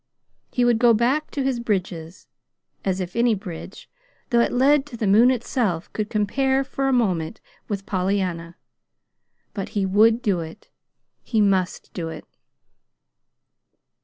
He would go back to his bridges as if any bridge, though it led to the moon itself, could compare for a moment with Pollyanna! But he would do it. He must do it.